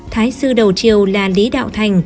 thái sư đầu triều là lý đạo thành